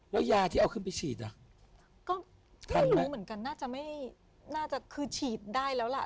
แล้วยาที่เอาขึ้นไปฉีดอ่ะก็ถ้ารู้เหมือนกันน่าจะไม่น่าจะคือฉีดได้แล้วล่ะ